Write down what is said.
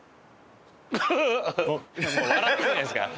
笑ってるじゃないですか。